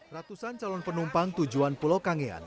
ratusan calon penumpang tujuan pulau kangean